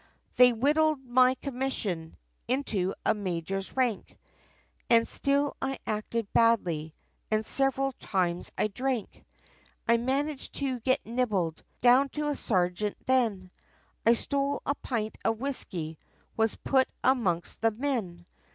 They whittled my commission, into a major's rank, And still I acted badly, and several times I drank, I managed to get nibbled, down to a sergeant then I stole a pint of whiskey, was put amongst the men.